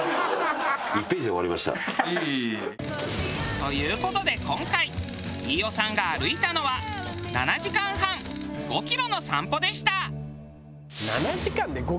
という事で今回飯尾さんが歩いたのは７時間半５キロの散歩でした。